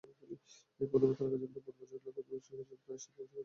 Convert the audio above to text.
প্রথমেই তাঁরা গাজীপুরের বোর্ডবাজার এলাকায় বিকাশের প্রায় সাত লাখ টাকা ছিনতাই করেন।